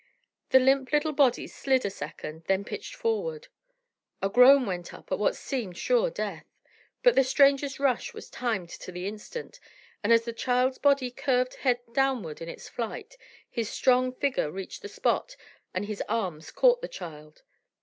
The limp little body slid a second, then pitched forward. A groan went up at what seemed sure death. But the stranger's rush was timed to the instant, and as the child's body curved head downward in its flight, his strong figure reached the spot and his arms caught the child.